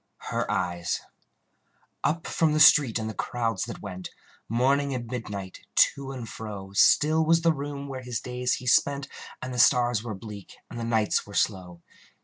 Her Eyes Up from the street and the crowds that went, Morning and midnight, to and fro, Still was the room where his days he spent, And the stars were bleak, and the nights were slow.